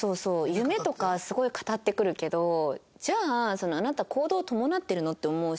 夢とかすごい語ってくるけどじゃああなた行動伴ってるの？って思うし。